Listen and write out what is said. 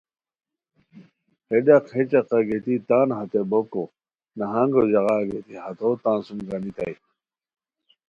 ہے ڈاق ہے چقہ گیتی تان ہتے بوکو نہانگو ژاغا گیتی ہتو تان سوم گانیتائے